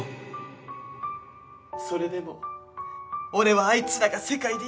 それでも俺はあいつらが世界で一番大事だ。